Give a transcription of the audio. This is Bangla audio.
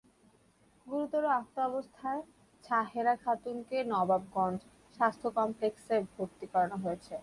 গুরুতর আহত অবস্থায় ছাহেরা খাতুনকে নবাবগঞ্জ স্বাস্থ্য কমপ্লেক্সে ভর্তি করা হয়েছে।